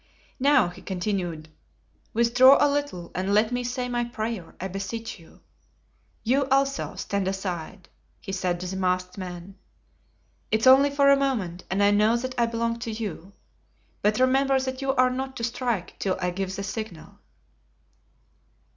"Now," he continued, "withdraw a little and let me say my prayer, I beseech you. You, also, stand aside," he said to the masked man. "It is only for a moment and I know that I belong to you; but remember that you are not to strike till I give the signal."